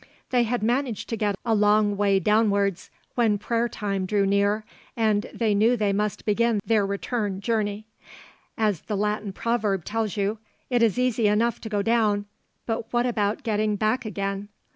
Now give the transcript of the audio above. They had managed to get a long way downwards when prayer time drew near, and they knew they must begin their return journey. As the Latin proverb tells you, it is easy enough to go down, but what about getting back again?